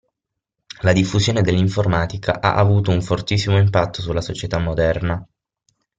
La diffusione dell'informatica ha avuto un fortissimo impatto sulla società moderna.